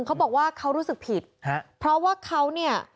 เขาบอกว่าเขารู้สึกผิดฮะเพราะว่าเขาเนี่ย